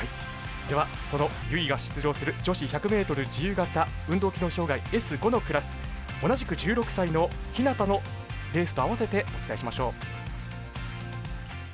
ではその由井が出場する女子１００ｍ自由形運動機能障がいＳ５のクラス同じく１６歳の日向のレースとあわせてお伝えしましょう。